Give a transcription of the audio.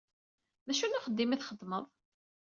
D acu n uxeddim ay txeddmeḍ?